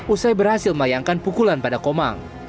usai berhasil melayangkan pukulan pada komang